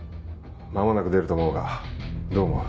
間もなく出ると思うがどう思う？